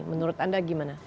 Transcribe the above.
menurut anda bagaimana